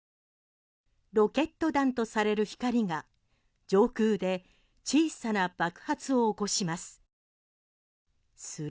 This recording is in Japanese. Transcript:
ロケット弾とされる光が上空で小さな爆発を起こします。